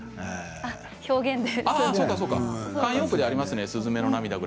表現で。